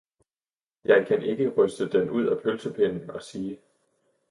jeg kan ikke ryste den ud af Pølsepinden og sige.